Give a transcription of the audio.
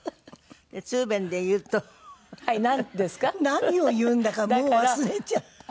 何を言うんだかもう忘れちゃった。